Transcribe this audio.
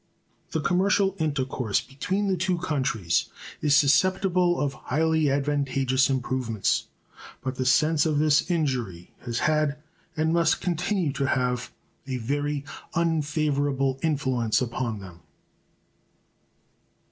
The commercial intercourse between the two countries is susceptible of highly advantageous improvements, but the sense of this injury has had, and must continue to have, a very unfavorable influence upon them.